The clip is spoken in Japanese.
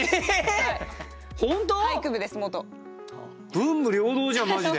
文武両道じゃんマジで。